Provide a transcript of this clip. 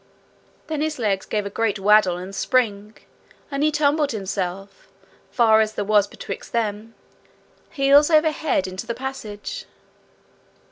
Then his legs gave a great waddle and spring, and he tumbled himself, far as there was betwixt them, heels over head into the passage.